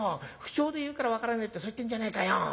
符丁で言うから分からねえってそう言ってんじゃねえかよ。